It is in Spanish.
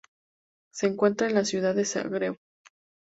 Se encuentra en la ciudad de Zagreb.